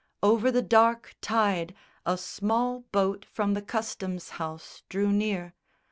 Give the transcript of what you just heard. Over the dark tide A small boat from the customs house drew near.